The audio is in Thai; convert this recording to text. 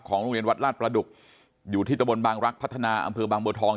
โรงเรียนวัดลาดประดุกอยู่ที่ตะบนบางรักพัฒนาอำเภอบางบัวทอง